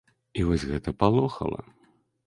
І вось гэта палохала.